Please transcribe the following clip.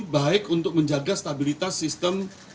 baik untuk menjaga stabilitas sistem